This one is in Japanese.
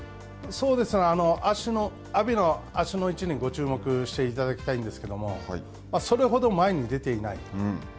阿炎の足の位置に注目していただきたいんですけれども、それほど前に出ていない。